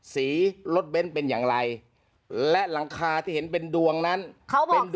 สีรถเบ้นเป็นอย่างไรและหลังคาที่เห็นเป็นดวงนั้น